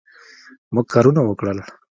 موږ کارونه وکړل